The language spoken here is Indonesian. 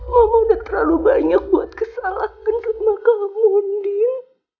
mama udah terlalu banyak buat kesalahan sama kamu ndien